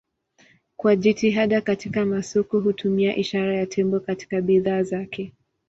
Kwa jitihada katika masoko hutumia ishara ya tembo katika bidhaa zake.